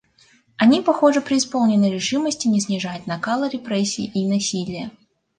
Они, похоже, преисполнены решимости не снижать накала репрессий и насилия.